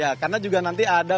ya karena juga nanti ada